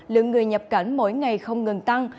lượng người nhập cảnh mỗi ngày không ngừng tăng